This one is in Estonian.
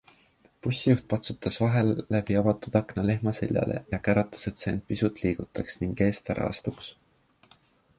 Bussijuht patsutas vahel läbi avatud akna lehma seljale ja käratas, et see end pisut liigutaks ning eest ära astuks.